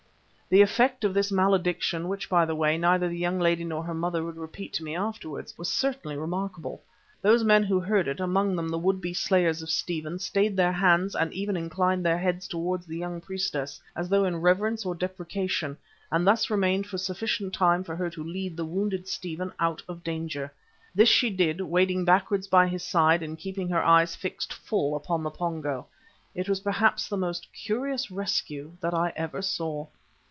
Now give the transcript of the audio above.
The effect of this malediction, which by the way neither the young lady nor her mother would repeat to me afterwards, was certainly remarkable. Those men who heard it, among them the would be slayers of Stephen, stayed their hands and even inclined their heads towards the young priestess, as though in reverence or deprecation, and thus remained for sufficient time for her to lead the wounded Stephen out of danger. This she did wading backwards by his side and keeping her eyes fixed full upon the Pongo. It was perhaps the most curious rescue that I ever saw.